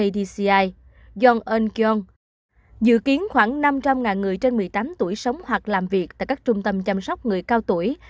dự kiến khoảng năm trăm linh người trên một mươi tám tuổi sống hoặc làm việc tại các trung tâm chăm sóc người cao tuổi